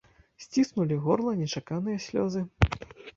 Сціснулі горла нечаканыя слёзы.